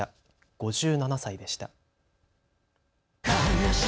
５７歳でした。